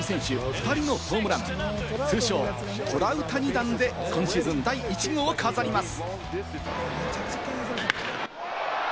２人のホームラン、通称トラウタニ弾で今シーズン第１号を飾ります。